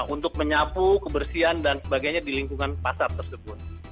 untuk menyapu kebersihan dan sebagainya di lingkungan pasar tersebut